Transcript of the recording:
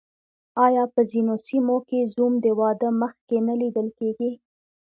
آیا په ځینو سیمو کې زوم د واده مخکې نه لیدل کیږي؟